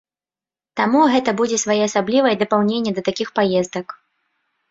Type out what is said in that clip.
Таму гэта будзе своеасаблівае дапаўненне да такіх паездак.